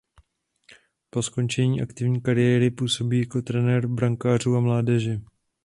Po skončení aktivní kariéry působí jako trenér brankářů a mládeže.